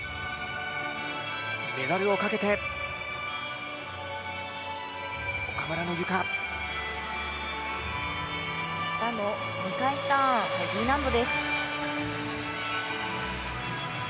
メダルをかけて岡村のゆか。座の２回ターン、Ｄ難度。